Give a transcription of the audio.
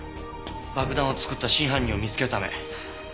爆弾を作った真犯人を見つけるため。